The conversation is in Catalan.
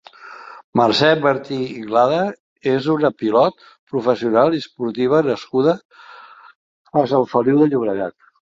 Mercè Martí Inglada és una pilot professional i esportiva nascuda a Sant Feliu de Llobregat.